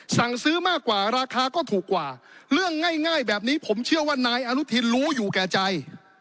สั่งซื้อมากกว่าราคาก็ถูกกว่าเรื่องง่ายแบบนี้ผมเชื่อว่านายอนุทินรู้อยู่แก่ใจ